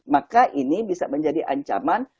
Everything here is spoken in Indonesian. maka ini bisa menjadi ancaman